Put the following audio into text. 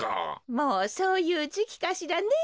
もうそういうじきかしらねえ。